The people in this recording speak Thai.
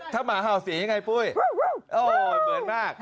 ถ้าหมาเห่าสียังไงปุ้ยเหมือนมาก